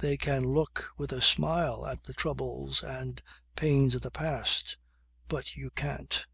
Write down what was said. They can look with a smile at the troubles and pains of the past; but you can't.